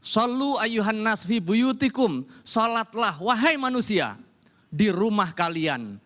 salatlah wahai manusia di rumah kalian